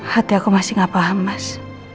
hati aku masih gak paham mas